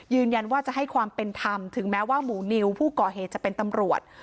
ยืนยันว่าจะให้ความเป็นธรรมถึงแม้ว่าหมูนิวผู้ก่อเหตุจะเป็นตำรวจ